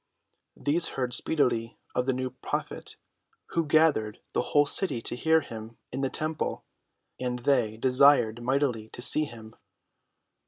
These heard speedily of the new prophet who gathered the whole city to hear him in the temple, and they desired mightily to see him.